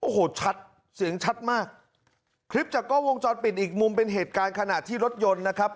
โอ้โหชัดเสียงชัดมากคลิปจากกล้องวงจรปิดอีกมุมเป็นเหตุการณ์ขณะที่รถยนต์นะครับ